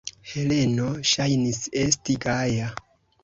Heleno ŝajnis esti gaja.